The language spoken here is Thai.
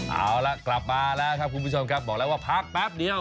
เอาล่ะกลับมาแล้วครับคุณผู้ชมครับบอกแล้วว่าพักแป๊บเดียว